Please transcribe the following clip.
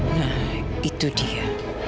nah itu dia